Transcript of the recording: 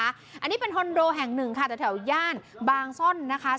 อันนี้เป็นคอนโดแห่งหนึ่งค่ะแต่แถวย่านบางซ่อนนะคะ